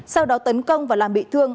sau đó tấn công và làm bị thương